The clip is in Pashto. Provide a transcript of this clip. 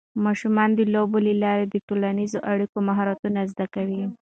ماشومان د لوبو له لارې د ټولنیزو اړیکو مهارتونه زده کوي.